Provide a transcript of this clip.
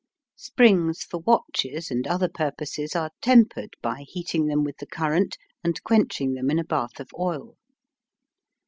Springs for watches and other purposes are tempered by heating them with the current and quenching them in a bath of oil.